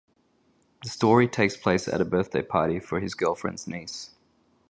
The story takes place at a birthday party for his girlfriend’s niece.